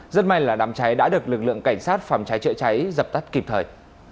rất may là đám cháy đã được lực lượng cảnh sát phòng cháy chữa cháy dập tắt kịp thời